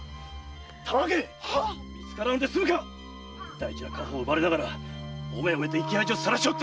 大事な家宝を奪われながらおめおめと生き恥をさらして！